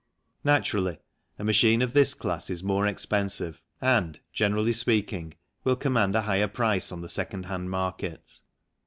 Naturally, a machine of this class is more expensive and, generally speaking, will command a higher price on the second hand market.